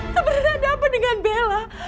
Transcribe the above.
kamu berada apa dengan bella